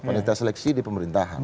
penelitian seleksi di pemerintahan